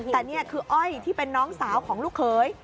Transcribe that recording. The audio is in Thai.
แต่นี่คืออ้อยที่เป็นน้องสาวของลูกเขย